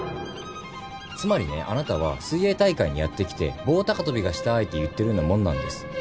つまりねあなたは水泳大会にやって来て棒高跳びがしたいと言ってるようなもんなんです。